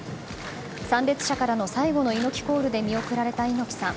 参列者からの最後の猪木コールで見送られた猪木さん。